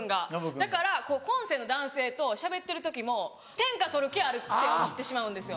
だから今世の男性としゃべってる時も天下取る気ある？って思ってしまうんですよ。